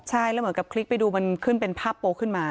ใช่แล้วเหมือนกับคลิกไปดูมันขึ้นเป็นภาพโป๊ขึ้นมา